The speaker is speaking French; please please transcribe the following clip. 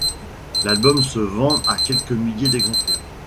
L'album se vend à quelques milliers d'exemplaires.